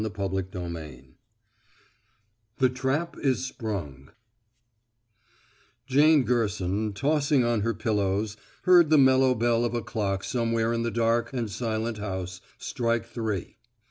CHAPTER XVIII THE TRAP IS SPRUNG Jane Gerson, tossing on her pillows, heard the mellow bell of a clock somewhere in the dark and silent house strike three.